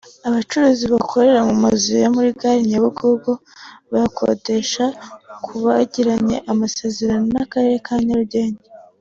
Abacuruzi bakorera mu mazu yo muri Gare ya Nyabugogo bayakodesha ku bagiranye amasezerano n’akarere ka Nyarugenge